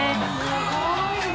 すごいね。